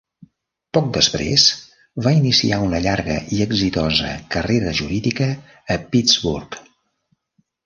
Poc després va iniciar una llarga i exitosa carrera jurídica a Pittsburgh.